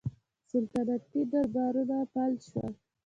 سلطنتي دربارونه فلج شول.